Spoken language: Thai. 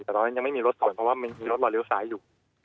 แต่ตอนนั้นยังไม่มีรถชนเพราะว่ามันมีรถรอเลี้ยวซ้ายอยู่